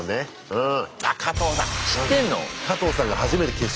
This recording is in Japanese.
うん。